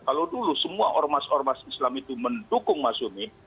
kalau dulu semua ormas ormas islam itu mendukung masyumi